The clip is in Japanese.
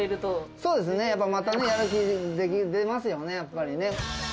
そうですね、やっぱまたね、やる気出ますよね、やっぱりね。